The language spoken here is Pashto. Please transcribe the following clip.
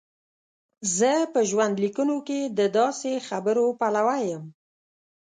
زه په ژوندلیکونو کې د داسې خبرو پلوی یم.